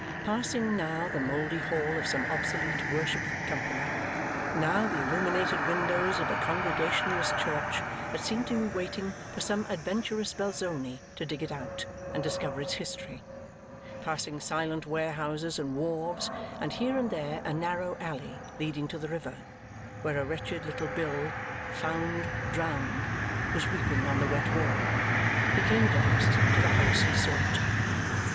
Passing, now the mouldy hall of some obsolete Worshipful Company, now the illuminated windows of a Congregationless Church that seemed to be waiting for some adventurous Belzoni to dig it out and discover its history; passing silent warehouses and wharves, and here and there a narrow alley leading to the river, where a wretched little bill, FOUND DROWNED, was weeping on the wet wall; he came at last to the house he sought.